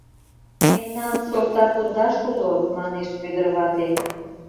— Мемнан сорта пундаш уло, — манеш Вӧдыр вате.